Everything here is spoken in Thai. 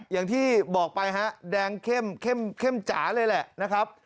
อย่างที่บอกไปฮะแดงเข้มเข้มจ๋าเลยแหละนะครับ